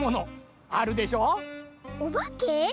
・おばけ？